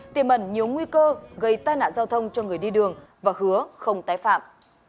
tiềm ẩn nhiều nguy cơ gây tai nạn giao thông cho người đi đường và hứa không tái phạm